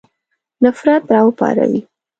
نفرت را وپاروي.